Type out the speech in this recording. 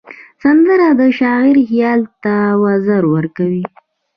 سندره د شاعر خیال ته وزر ورکوي